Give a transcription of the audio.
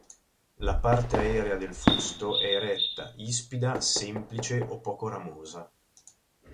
La parte aerea del fusto è eretta, ispida, semplice o poco ramosa.